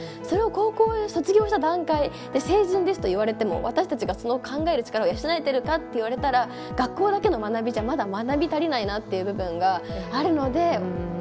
それを高校卒業した段階で「成人です」と言われても私たちがその考える力が養えてるかって言われたら学校だけの学びじゃまだ学び足りないなっていう部分があるので。